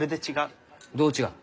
どう違う？